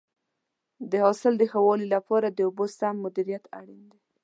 د حاصل د ښه والي لپاره د اوبو سم مدیریت اړین دی.